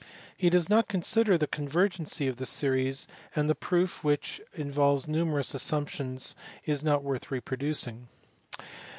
He does not consider the convergency of the series, and the proof which involves numerous assump tions is not worth reproducing.